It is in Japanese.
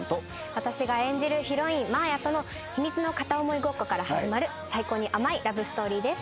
私が演じるヒロイン真綾との秘密の片思いごっこから始まる最高に甘いラブストーリーです。